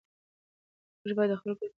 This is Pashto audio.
موږ باید د خپلو کتابونو ساتنه وکړو.